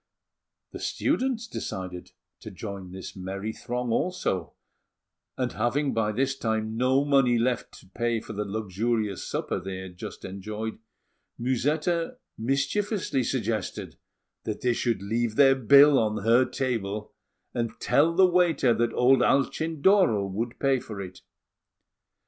The students decided to join this merry throng also; and, having by this time no money left to pay for the luxurious supper they had just enjoyed, Musetta mischievously suggested that they should leave their bill on her table, and tell the waiter that old Alcindoro would pay for it.